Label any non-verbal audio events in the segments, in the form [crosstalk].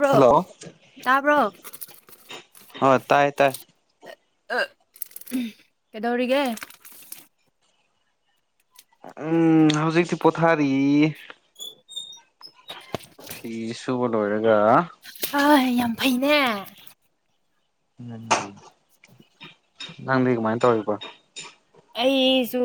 ꯭ꯔꯣ ꯍꯜꯂꯣ ꯇꯥꯕ꯭ꯔꯣ ꯍ ꯇꯥꯏ ꯇꯥꯏ ꯀꯩꯗꯧꯔꯤꯒꯦ ꯎꯝ ꯍꯧꯖꯤꯛꯇꯤ ꯄꯣꯊꯥꯔꯤ [unintelligible] ꯐꯤꯁꯨꯕ ꯂꯣꯏꯔꯦꯒ ꯍ ꯌꯥꯝ ꯐꯩꯅꯦ ꯎꯝ ꯅꯪꯗꯤ ꯀꯃꯥꯏꯅ ꯇꯧꯔꯤꯕꯣ ꯑꯩꯁꯨ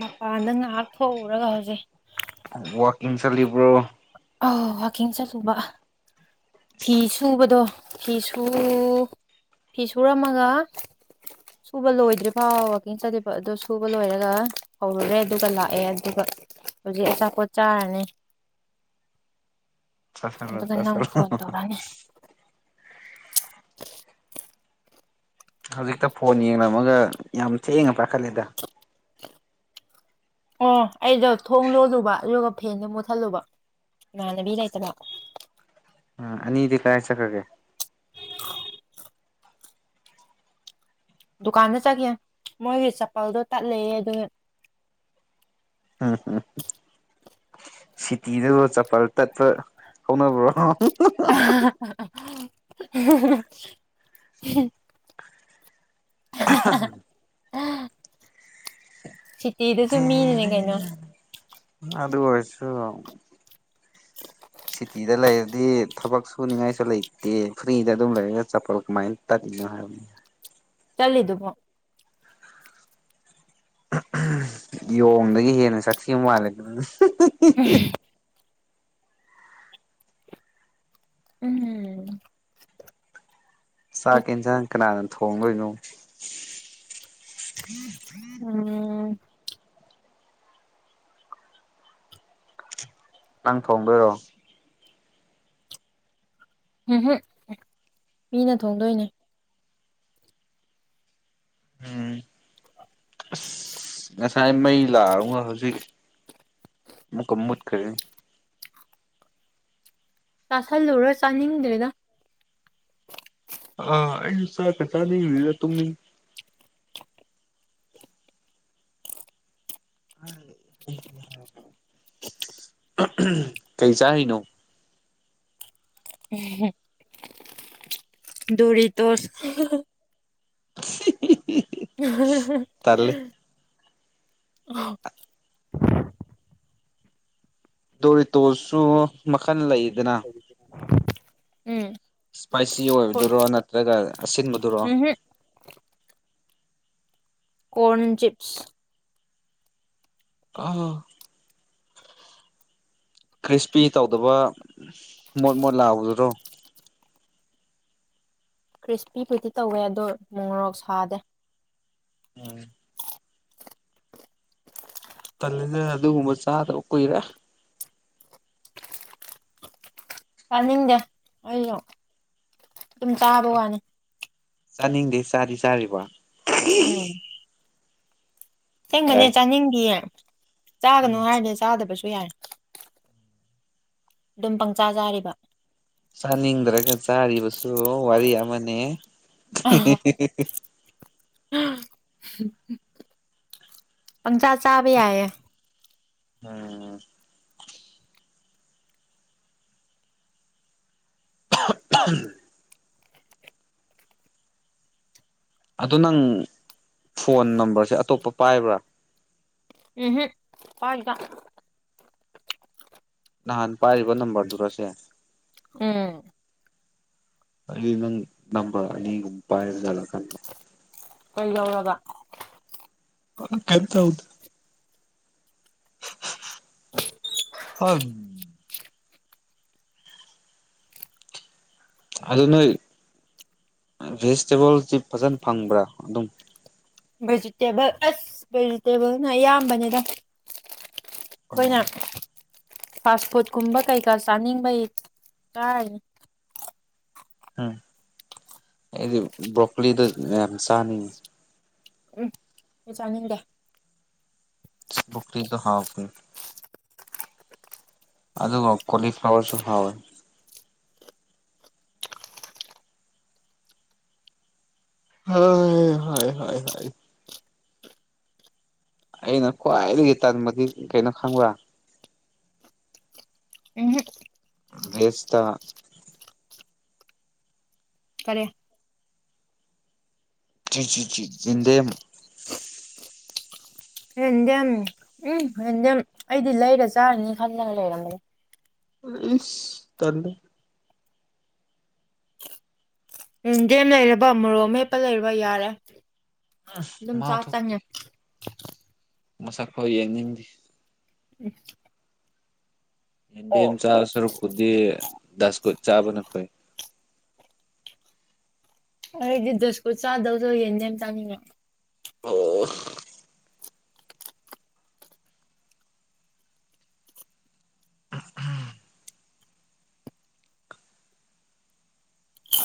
ꯃꯄꯥꯟꯗ ꯉꯥꯏꯍꯥꯛ ꯊꯣꯛꯎꯔꯒ ꯍꯧꯖꯤꯛ ꯋꯥꯀꯤꯡ ꯆꯂꯤꯕ꯭ꯔꯣ ꯑ ꯋꯥꯀꯤꯤꯡꯁ ꯊꯕ ꯐꯤ ꯁꯨꯕꯗꯣ ꯐꯤ ꯁꯨ ꯐꯤ ꯁꯨꯔꯝꯃꯒ ꯁꯨꯕ ꯂꯣꯏꯗ꯭ꯔꯤ ꯐꯥꯎ ꯋꯥꯛꯀꯤꯡ ꯆꯠꯂꯤꯕ ꯑꯗꯨꯣ ꯁꯨꯕ ꯂꯣꯏꯔꯒ ꯍꯧꯔꯨꯔꯦ ꯑꯗꯨꯒ ꯂꯥꯛꯑꯦ ꯑꯗꯨꯒ ꯍꯧꯖꯤꯛ ꯑꯆꯥꯄꯣꯠ ꯆꯥꯔꯅꯤ ꯆꯁꯂ ꯑꯗꯨꯒ ꯅꯪ ꯆꯁꯔ ꯐꯣꯟ ꯇꯧꯔꯛꯑꯅꯤ [unintelligible] ꯍꯧꯖꯤꯛꯇ ꯐꯣꯟ ꯌꯦꯡꯂꯃꯒ ꯌꯥꯝ ꯊꯦꯡꯅ ꯄꯥꯈꯠꯂꯦꯗ ꯑꯣ ꯑꯩꯗꯣ ꯊꯣꯡ ꯂꯣꯜꯂꯨꯕ ꯑꯗꯨꯒ ꯐꯦꯟꯗ ꯃꯨꯠꯊꯠꯂꯨꯕ ꯅꯥꯟꯕꯤꯔꯩꯇꯃ ꯎꯝ ꯑꯅꯤꯗꯤ ꯀꯥꯏ ꯆꯠꯈ꯭ꯔꯒꯦ ꯗꯨꯀꯥꯟꯗ ꯆꯠꯀꯦ ꯃꯣꯏꯒꯤ ꯆꯄꯜꯗꯣ ꯇꯠꯂꯑꯦ ꯑꯗꯨ ꯎꯝ ꯍ ꯁꯤꯇꯤꯗꯕꯨ ꯆꯄꯜ ꯇꯠꯄ ꯍꯧꯅꯕ꯭ꯔꯣ [unintelligible] [unintelligible] ꯁꯤꯇꯤꯗꯁꯨ ꯃꯤꯅꯤꯅꯦ ꯀꯩꯅꯣ ꯑꯗ ꯀꯣꯏꯁꯨ ꯁꯤꯇꯤꯗ ꯂꯩꯔꯗꯤ ꯊꯕꯛ ꯁꯨꯅꯤꯉꯥꯏꯁꯨ ꯂꯩꯇꯦ ꯐ꯭ꯔꯤꯗ ꯑꯗꯨꯝ ꯂꯩꯔꯒ ꯆꯄꯜ ꯀꯃꯥꯏꯅ ꯇꯥꯅꯤꯡ [inaudible] ꯆꯂꯗꯨꯕꯣ ꯌꯣꯡꯗꯒꯤ ꯍꯦꯟꯅ ꯆꯠꯊꯈꯤꯕ ꯃꯥꯜꯂꯦ ꯎ ꯎꯝ ꯆꯥꯛ ꯌꯦꯟꯁꯥꯡ ꯀꯅꯥꯅ ꯊꯣꯡꯗꯣꯏꯅꯣ ꯎꯝ ꯅꯪ ꯊꯣꯡꯒꯔꯣ ꯎꯝ ꯃꯤꯅ ꯊꯣꯡꯗꯣꯏꯅꯦ ꯑꯁ ꯉꯁꯥꯏ ꯃꯩ ꯂꯥꯛꯔꯨꯒ ꯍꯧꯖꯤꯛ ꯃꯀꯝꯃꯠ ꯀꯦ ꯆꯥꯥꯁꯜꯂꯨꯔ ꯆꯥꯅꯤꯡꯗ꯭ꯔꯦꯗ ꯑꯥ ꯑꯩꯁꯨ ꯆꯥꯛꯀ ꯆꯥꯅꯤꯡꯗ ꯇꯨꯝꯃꯤ ꯑ ꯀꯩ ꯆꯥꯔꯤꯅꯣ ꯎꯝ ꯗꯧꯔꯤ ꯇꯣ [inaudible] ꯇꯜꯂꯦ [inaudible] ꯗꯣꯔꯤꯇꯣꯁꯨ ꯃꯈꯜ ꯂꯩꯗꯅ ꯎꯝ ꯏꯁꯄꯥꯏꯁꯤ ꯑꯣꯏꯕꯗꯨꯔꯣ ꯅꯠꯇ꯭ꯔꯒ ꯑꯁꯤꯟꯕꯗꯨꯔꯣ ꯎꯝꯍꯨꯝ ꯀꯣꯔꯟ ꯆꯤꯞꯁ ꯑ ꯈ꯭ꯔꯤꯁꯄꯤ ꯇꯧꯗꯕ ꯃꯣꯠ ꯃꯣꯠ ꯂꯥꯛꯎꯗꯨꯔꯣ [inaudible] ꯈ꯭ꯔꯤꯁꯄꯤꯕꯨꯗꯤ ꯇꯧꯋꯦ ꯑꯗꯣ ꯃꯣꯔꯣꯛ ꯁꯥꯗꯦ ꯎꯝ ꯇꯂꯅ ꯑꯗꯨꯒꯨꯝꯕ ꯆꯥꯗꯕ ꯀꯨꯏꯔꯦ ꯆꯥꯅꯤꯡꯗꯦ ꯑꯩꯅ ꯑꯗꯨꯝ ꯇꯥꯕ ꯋꯥꯅꯤ ꯆꯥꯅꯤꯡꯗꯦ ꯆꯥꯗꯤ ꯆꯥꯔꯤꯕ ꯎꯝ ꯊꯦꯡꯒꯅꯤ ꯌꯥꯏ ꯆꯥꯅꯤꯡꯈꯤꯌꯦ ꯆꯥꯒꯅꯨ ꯎꯝ ꯍꯥꯏꯔꯗꯤ ꯆꯥꯗꯕꯁꯨ ꯌꯥꯔꯦ ꯑꯗꯨꯝ ꯄꯪꯆꯥ ꯆꯥꯔꯤꯕ ꯆꯥꯅꯤꯡꯗ꯭ꯔꯒ ꯆꯥꯔꯤꯕꯁꯨ ꯋꯥꯔꯤ ꯑꯃꯅꯦ [inaudible] ꯄꯪ ꯆꯥ ꯆꯥꯕꯤ ꯌꯥ ꯎꯝ ꯇꯥꯛꯄꯝ ꯑꯗꯨ ꯅꯪ ꯐꯣꯟ ꯅꯝꯕꯔꯁꯦ ꯑꯇꯣꯞꯄ ꯄꯥꯏꯕ꯭ꯔꯥ ꯎꯝ ꯄꯗ ꯅꯍꯥꯟ ꯄꯥꯏꯔꯤꯕ ꯅꯝꯕꯔꯗꯨꯔꯁꯦ ꯑꯣꯝ ꯑ ꯅꯪ ꯅꯝꯕꯒ ꯄꯥꯏꯔꯖꯂ ꯀ ꯀꯩꯗꯧꯔꯒ ꯑ ꯀꯩꯝ ꯇꯧꯗꯦ [inaudible] ꯍꯣꯏ ꯑꯗꯨ ꯅꯣꯏ ꯚꯦꯖꯤꯇꯦꯕꯜꯁꯤ ꯐꯖꯅ ꯐꯪꯕ꯭ꯔꯥ ꯑꯗꯨꯝ ꯚꯦꯖꯤꯇꯦꯕꯜ ꯑꯁ ꯚꯦꯖꯤꯇꯦꯕꯜꯅ ꯑꯌꯥꯝꯕꯅꯤꯗ ꯈꯣꯏꯅ ꯐꯥꯁ ꯐꯨꯠ ꯀꯨꯝꯕ ꯀꯩꯀꯥ ꯆꯥꯅꯤꯡꯕ ꯇꯥꯏ ꯎꯝ ꯑꯩꯗꯤ ꯕ꯭ꯔꯣꯀꯂꯤꯗ ꯑꯝꯁꯅꯤ ꯎꯝ ꯆꯥꯅꯤꯡꯗꯦ ꯄꯀꯔꯤꯗꯨ ꯍꯥꯎꯅꯤ ꯑꯗꯨꯒ ꯀꯣꯂꯤꯐ꯭ꯂꯋꯔꯁꯨ ꯍꯥꯎꯋꯦ [unintelligible] ꯑꯩꯅ ꯈ꯭ꯋꯥꯏꯗꯒꯤ ꯇꯟꯕꯗꯤ ꯀꯩꯅꯣ ꯈꯪꯕ꯭ꯔꯥ ꯎꯝꯍꯨꯝ ꯗꯦꯁꯇꯥ ꯀꯔꯦ ꯆꯤ ꯆꯤ ꯆꯤ ꯌꯦꯟꯗꯦꯝ ꯍꯦꯟꯗꯦꯝ ꯎꯝ ꯍꯦꯟꯗꯦꯝ ꯑꯩꯗꯤ ꯂꯩꯔ ꯆꯥꯔꯅꯤ ꯈꯟꯗꯅ ꯂꯩꯔꯝꯕꯅꯦ ꯏ ꯇꯟꯗ ꯎ ꯗꯦꯝ ꯂꯩꯔꯕ ꯃꯣꯔꯣꯛ ꯃꯦꯞꯄ ꯂꯩꯔꯕ ꯌꯥꯔꯦ ꯑꯗꯨꯝ ꯃꯥ ꯆꯥꯛ ꯊꯣꯛꯇꯦ ꯆꯪꯉꯦ ꯃꯁꯛ ꯐꯥꯎ ꯌꯦꯡꯅꯤꯡꯗꯤ ꯎ ꯌꯦꯟꯗꯦꯝ ꯆꯥ ꯁꯔꯨꯛꯄꯨꯗꯤ ꯗꯁ ꯀꯨꯠ ꯆꯥꯕꯅ ꯐꯩꯏ ꯑꯩꯗꯤ ꯗꯁꯀꯨꯠ ꯆꯥꯗꯧꯗ ꯌꯦꯗ ꯌꯥꯝ ꯆꯥꯡꯅꯤꯡꯉ ꯑꯣ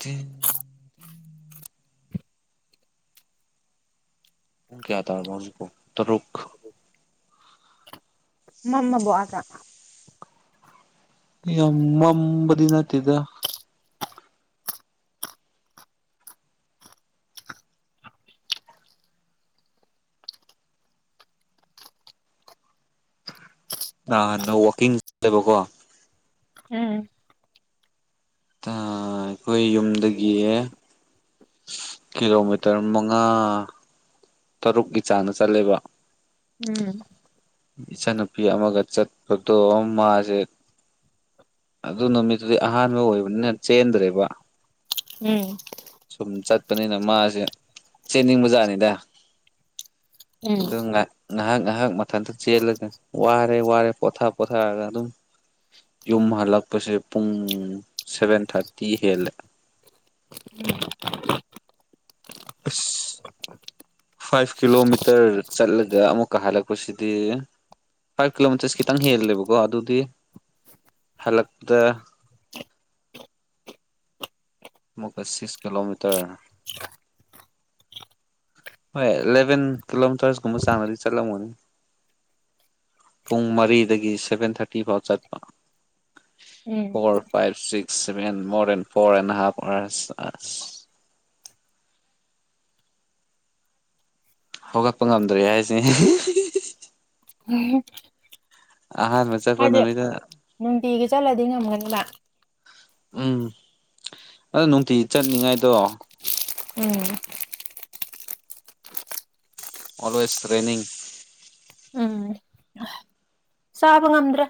ꯊ ꯄꯨꯡ ꯀꯌꯥ ꯇꯥꯔꯕꯣ ꯍꯧꯖꯤꯛꯄꯣꯇꯔꯨꯛ ꯃꯃꯕꯣ ꯑꯥꯗ ꯌꯥꯝ ꯃꯝꯕꯗꯤ ꯅꯠꯇꯦꯗ ꯑꯥꯟ ꯋꯋꯥꯛꯀꯤꯡ ꯆꯂꯦꯕꯀꯣ ꯎꯝ ꯑꯩꯈꯣꯏ ꯌꯨꯝꯗꯒꯤ ꯀꯤꯂꯣꯃꯤꯇꯔ ꯃꯉꯥ ꯇꯔꯨꯛꯀꯤ ꯆꯥꯡꯅ ꯆꯠꯂꯦꯕ ꯎꯝ ꯏꯆꯥꯟꯅꯨꯄꯤ ꯑꯃꯒ ꯆꯠꯄꯗꯣ ꯑꯃ ꯃꯥꯁꯦ ꯑꯗꯨ ꯅꯨꯃꯤꯠꯇꯨꯗꯤ ꯑꯍꯥꯟꯕ ꯑꯣꯏꯕꯅꯤꯅ ꯆꯦꯟꯗ꯭ꯔꯦꯕ ꯎꯝ ꯁꯨꯝ ꯆꯠꯄꯅꯤꯅ ꯃꯥꯁꯦ ꯆꯦꯟꯅꯤꯡ ꯕꯖꯥꯔꯅꯤꯗ ꯎꯝ ꯑꯗꯨ ꯉ ꯉꯥꯏꯍꯥꯛ ꯉꯥꯏꯍꯥꯛ ꯊꯟꯇ ꯆꯦꯜꯂꯒ ꯋꯥꯔꯦ ꯋꯥꯔꯦ ꯄꯣꯊꯥ ꯄꯣꯊꯥꯔꯒ ꯑꯗꯨꯝ ꯌꯨꯝ ꯍꯜꯂꯛꯄꯁꯦ ꯄꯨꯡ ꯁꯚꯦꯟ ꯊꯥꯔꯇꯤ ꯍꯦꯜꯂꯦ [unintelligible] ꯑꯁ ꯐꯥꯏꯚ ꯀꯤꯂꯣꯃꯤꯇꯔ ꯆꯠꯂꯒ ꯑꯃꯨꯛꯀ ꯍꯜꯂꯛꯄꯁꯤꯗꯤ ꯐꯥꯏꯚ ꯀꯤꯂꯣꯃꯤꯇꯔꯁ ꯈꯤꯇꯪ ꯍꯦꯜꯂꯦꯕꯀꯣ ꯑꯗꯨꯗꯤ ꯍꯜꯂꯛꯄꯗ [inaudible] ꯃꯨꯛꯀ ꯁꯤꯛꯁ ꯀꯤꯂꯣꯃꯤꯇꯔ ꯍꯣꯏ ꯑꯦꯂꯚꯦꯟ ꯀꯤꯂꯣꯃꯤꯇꯔꯁꯀꯨꯝꯕ ꯆꯥꯡꯅꯗꯤ ꯆꯠꯂꯝꯃꯅꯤ ꯄꯨꯡ ꯃꯔꯤꯗꯒꯤ ꯁꯚꯦꯟ ꯊꯥꯔꯇꯤ ꯐꯥꯎ ꯆꯠꯄ ꯎꯝ four five six seven more the four and ꯍ ꯑ [inaudible] ꯍꯧꯒꯠꯄ ꯉꯝꯗ꯭ꯔꯦ ꯍꯥꯏꯁꯦ ꯑꯍꯥꯟꯕ ꯆꯠꯄ ꯍꯥꯏꯗꯤ ꯅꯨꯃꯤꯠꯇ ꯅꯨꯡꯇꯤꯒꯤ ꯆꯠꯂꯗꯤ ꯉꯝꯒꯅꯤꯗ ꯎꯝ ꯑꯗꯣ ꯅꯨꯡꯇꯤ ꯆꯠꯅꯤꯡꯉꯥꯏꯗꯣ ꯎꯝ ꯑꯣꯜꯋꯦꯁ ꯇ꯭ꯔꯦꯅꯤꯡ ꯁꯥꯕ ꯉꯝꯗ꯭ꯔꯥ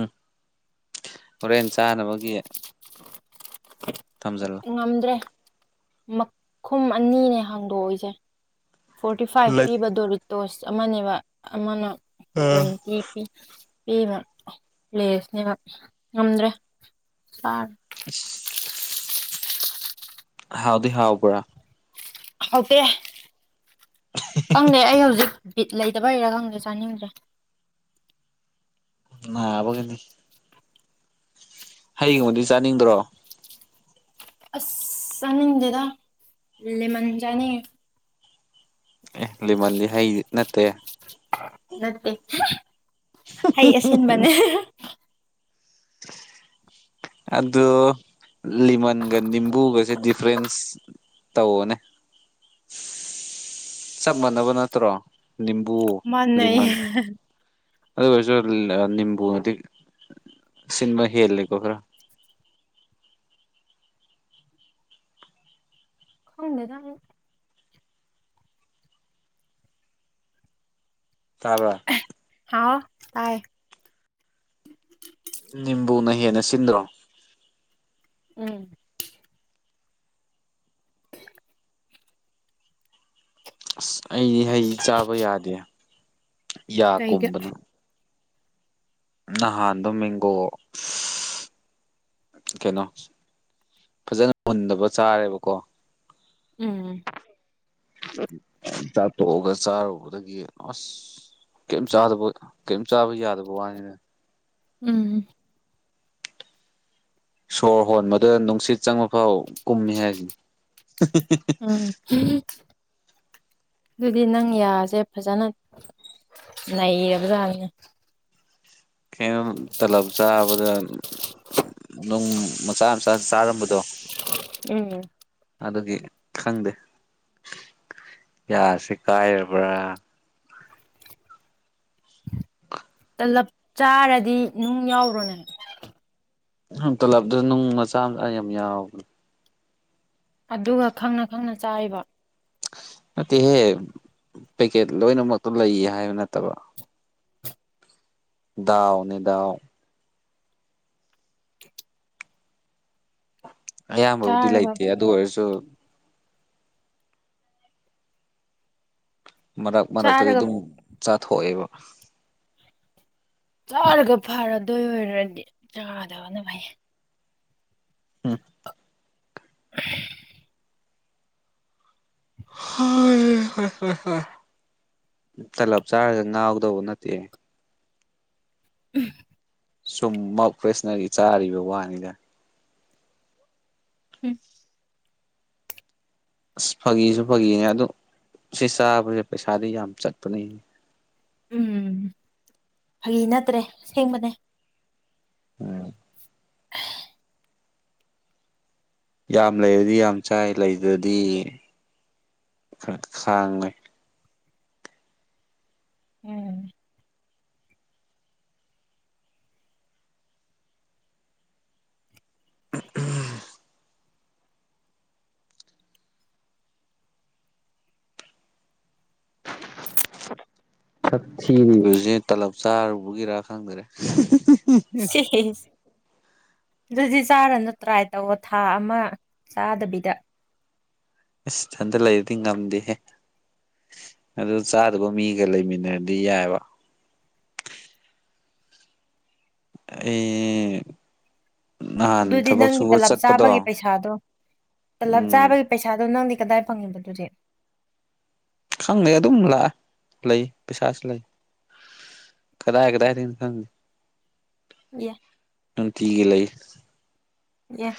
ꯎꯝ ꯍꯣꯔꯦꯟ ꯆꯥꯅꯕꯒꯤ ꯊꯝꯖꯤꯜꯂꯣ ꯉꯝꯗ꯭ꯔꯦ ꯃꯈꯨꯝ ꯑꯅꯤꯅꯦ ꯍꯥꯡꯗꯣꯛꯏꯁꯦ ꯐꯣꯔꯇꯤ ꯐꯥꯏꯚ ꯄꯤꯕ ꯗꯣꯔꯤꯇꯣꯁ ꯑꯃꯅꯦꯕ ꯑꯃꯅ ꯇ꯭ꯋꯦꯟꯇꯤ ꯄꯤ ꯄꯤꯕ ꯄ꯭ꯂꯦꯁꯅꯦꯕ ꯉꯝꯗ꯭ꯔꯦ [unintelligible] [inaudible] ꯍꯥꯎꯗꯤ ꯍꯥꯎ ꯄꯨ ꯍꯄꯦ ꯈꯪꯗꯦ ꯑꯩ ꯍꯧꯖꯤꯛ ꯕꯤꯠ ꯂꯩꯇꯕ ꯍꯔꯥ ꯈꯪꯗ꯭ꯔꯦ ꯆꯥꯅꯤꯡꯗ꯭ꯔꯦ ꯉꯕ ꯀꯗꯤ ꯍꯌꯦꯡꯕꯨꯗꯤ ꯆꯥꯅꯤꯡꯗ꯭ꯔꯣ ꯑꯁ ꯆꯅꯤꯡꯗꯦꯗ ꯂꯦꯃꯟ ꯆꯅꯤ ꯑꯦ ꯂꯤꯃꯟꯗꯤ ꯍꯩꯗꯤ ꯅꯠꯇꯦ ꯅꯠꯇꯦ ꯍꯩ ꯑꯁꯤ ꯑꯁꯤꯟꯕꯅꯦ ꯑꯗꯨꯗ ꯂꯤꯃꯟꯒ ꯅꯤꯝꯕꯨꯒꯁꯦ ꯗꯤꯐ꯭ꯔꯦꯟꯁ ꯇꯧꯑꯣꯅꯦ ꯆꯞ ꯃꯥꯟꯅꯕ ꯅꯠꯇ꯭ꯔꯣ ꯅꯤꯝꯝꯕꯕꯨ ꯃꯥꯟꯅꯩ ꯂꯤꯃꯟ ꯑꯗ ꯀꯁ ꯅꯤꯝꯕꯨꯃꯗꯤ ꯁꯤꯃꯥ ꯍꯤꯦꯜꯂꯀꯣꯈ꯭ꯔꯥ ꯍꯅꯗ ꯇꯥꯕ꯭ꯔ ꯍꯥꯎ ꯇꯥꯏ ꯅꯤꯝꯕꯨꯅ ꯍꯦꯟꯅ ꯁꯤꯟꯗ꯭ꯔꯣ ꯎꯝ ꯑꯁ ꯑꯩꯗꯤ ꯍꯩ ꯆꯥꯕ ꯌꯥꯗꯦ ꯌꯥ ꯀꯩꯒ ꯀꯨꯝꯕꯅ ꯅꯍꯥꯟꯗꯣ ꯌꯦꯡꯒꯣꯛꯑꯣ ꯀꯩꯅꯣ ꯐꯖꯅ ꯃꯨꯟꯗꯕ ꯆꯥꯔꯦꯕꯀꯣ ꯎꯝ ꯆꯥꯊꯣꯛꯑꯒ ꯆꯥꯔꯨꯕꯗꯒꯤ ꯑꯁ ꯀꯩꯝ ꯆꯥꯗꯕ ꯀꯩꯝ ꯆꯥꯕ ꯌꯥꯗꯕ ꯋꯥꯅꯤꯅꯦ ꯎꯝ ꯁꯣꯔ ꯍꯣꯟ ꯃꯗꯨ ꯅꯨꯡꯁꯤꯠ ꯆꯪꯕꯐꯥꯎ ꯀꯨꯝꯃꯤ ꯍꯥꯏꯁꯤ ꯎꯝ ꯑꯗꯨꯗꯤ ꯅꯪ ꯌꯥꯁꯦ ꯐꯖꯅ ꯅꯔꯕꯗꯥꯥꯅꯤ ꯇꯂꯞ ꯆꯥꯕꯗ ꯅꯨꯡ ꯃꯁꯥ ꯃꯁꯥ ꯆꯥꯔꯝꯕ [inaudible] ꯣ ꯎꯝ ꯑꯗꯨꯒꯤ ꯈꯪꯗꯦ ꯌꯥꯁꯦ ꯀꯥꯏꯔꯕ꯭ꯔꯥ ꯇꯂꯞ ꯆꯥꯔꯗꯤ ꯅꯨꯡ ꯌꯥꯎꯔ꯭ꯔꯣꯅꯦ ꯇꯜꯂꯞꯗꯨꯗ ꯅꯨꯡ ꯃꯆꯥ ꯃꯆꯥ ꯌꯥꯝ ꯌꯥꯎꯕꯅꯦ ꯑꯗꯨꯒ ꯈꯪꯅ ꯈꯪꯅ ꯆꯥꯏꯕ ꯅꯠꯇꯦꯍꯦ ꯄꯦꯀꯦꯠ ꯂꯣꯏꯅꯃꯛꯇꯣ ꯂꯩꯌꯦ ꯍꯥꯏꯕ ꯅꯠꯇꯕ ꯗꯥꯎꯅꯤꯗꯥꯎ ꯑꯌꯥꯝꯕꯕꯨꯗꯤ ꯆꯥꯔꯒ ꯂꯩꯇꯦ ꯑꯗꯨ ꯑꯣꯏꯔꯁꯨ ꯃꯔꯛ ꯃꯔꯛꯇꯗꯤ ꯆꯥꯔꯒ ꯑꯗꯨꯝ ꯆꯥꯊꯣꯛꯑꯦꯕ ꯆꯥꯔꯒ ꯐꯔꯗꯣꯏ ꯑꯣꯏꯔꯔꯗꯤ ꯆꯥꯗꯕꯅ ꯐꯩꯌꯦ ꯎꯝ [unintelligible] [inaudible] ꯍ ꯍꯣꯏ ꯍꯣꯏ ꯍ ꯇꯂꯞ ꯆꯥꯔꯒ ꯉꯥꯎꯗꯧꯕ ꯅꯠꯇꯦ ꯎꯝ ꯁꯨꯝ ꯀ꯭ꯔꯤꯁꯅꯒꯤ ꯆꯥꯔꯤꯕ ꯋꯥꯅꯤꯗ ꯎꯝ ꯑꯁ ꯐꯥꯒꯤꯁꯨ ꯐꯥꯒꯤꯅꯦ ꯑꯗꯨꯗ ꯁꯤ ꯆꯥꯕꯁꯦ ꯄꯩꯁꯥꯗꯤ ꯌꯥꯝ ꯆꯠꯄꯅꯦ ꯎꯝ ꯐꯒꯤ ꯅꯠꯇ꯭ꯔꯦ ꯁꯦꯡꯕꯅꯦ ꯎꯝ [unintelligible] ꯌꯥꯝ ꯂꯩꯔꯗꯤ ꯌꯥꯝ ꯆꯥꯏ ꯂꯩꯗ꯭ꯔꯗꯤ ꯈ ꯈꯥꯡꯉꯦ ꯎꯝ ꯎꯝ [unintelligible] ꯊꯛ ꯊꯤꯔꯤꯕꯁꯦ ꯇꯂꯞ ꯆꯥꯔꯨꯕꯒꯤꯔꯥ ꯈꯪꯗ꯭ꯔꯦ ꯁꯤꯍꯦ ꯑꯗꯨꯗꯤ ꯆꯥꯔꯅꯨ ꯇ꯭ꯔꯥꯏ ꯇꯧꯑꯣꯣ ꯊꯥ ꯑꯃ ꯆꯥꯗꯕꯤꯗ ꯏꯁꯇꯟꯗ ꯂꯩꯔꯗꯤ ꯉꯝꯗꯦꯍꯦ ꯑꯗꯨ ꯆꯥꯗꯕ ꯃꯤꯒ ꯂꯩꯃꯤꯟꯅꯔꯗꯤ ꯌꯥꯏꯕ ꯑꯩ ꯅꯍꯥꯟ ꯑꯗꯨꯗꯤ ꯊꯕꯛ ꯅꯪꯒꯤ ꯁꯨꯕ ꯇꯂꯞ ꯆꯠꯄꯗꯣ ꯆꯥꯕꯒꯤ ꯄꯩꯁꯥꯗꯣ ꯇꯂꯞ ꯎꯝ ꯆꯥꯕꯒꯤ ꯄꯩꯁꯥꯗꯣ ꯅꯪꯗꯤ ꯥꯏ ꯄꯪ ꯄꯠꯇꯨꯖꯦ ꯈꯪꯗꯦ ꯑꯗꯨꯝ ꯂꯥꯛꯑ ꯂꯩ ꯄꯩꯁꯥꯁꯨ ꯂꯩ ꯀꯗꯥ ꯀꯗꯥ ꯍꯥꯏ ꯇꯅ ꯑꯦ ꯁ ꯍ ꯇꯒ ꯂꯩ ꯌꯦ